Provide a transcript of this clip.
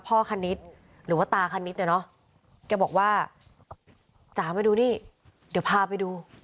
คณิตหรือว่าตาคณิตเนี่ยเนอะแกบอกว่าจ๋ามาดูนี่เดี๋ยวพาไปดู